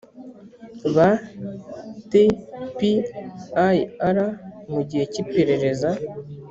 ba tpir mu gihe cy iperereza